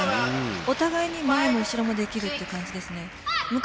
お互いに前も後ろもできるという感じですね。